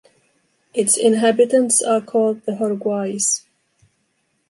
Its inhabitants are called the Horguais.